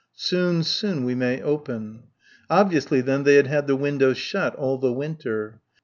Soon, soon we may open. Obviously then they had had the windows shut all the winter.